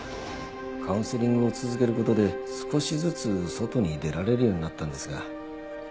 カウンセリングを続ける事で少しずつ外に出られるようになったんですが。